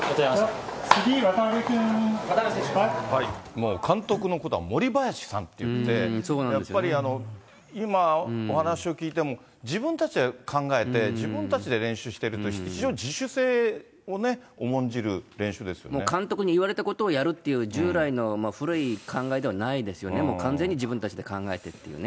もう監督のことは森林さんって言って、やっぱり今、お話を聞いても、自分たちで考えて、自分たちで練習してると、非常に自主性を重ん監督に言われたことをやるっていう従来の古い考えではないですよね、もう完全に自分たちで考えてるっていうね。